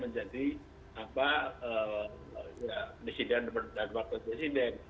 jadi apa ya disiden dan waktu disiden